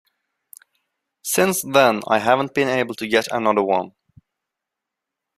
Since then I haven't been able to get another one.